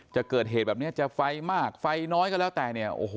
จักเกิดเหตุแบบนี้จะไฟมากอย่างน้อยแล้วแต่